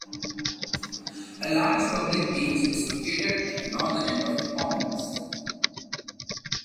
A large public beach is located at the northern end of the Commons.